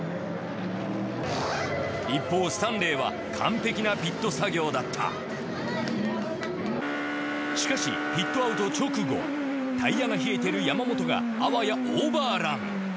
一方スタンレーは完璧なピット作業だったしかしピットアウト直後タイヤが冷えている山本があわやオーバーラン。